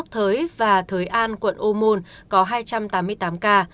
thới và thới an quận ô môn có hai trăm tám mươi tám ca